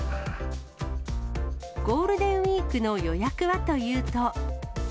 ゴールデンウィークの予約はというと。